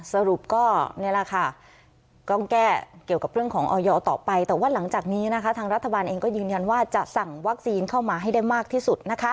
สรุปก็นี่แหละค่ะต้องแก้เกี่ยวกับเรื่องของออยต่อไปแต่ว่าหลังจากนี้นะคะทางรัฐบาลเองก็ยืนยันว่าจะสั่งวัคซีนเข้ามาให้ได้มากที่สุดนะคะ